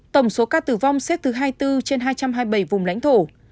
tổng số ca tử vong xếp thứ hai mươi bốn trên hai trăm hai mươi bảy vùng lãnh thổ